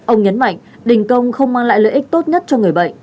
ông nhấn mạnh đình công không mang lại lợi ích tốt nhất cho người bệnh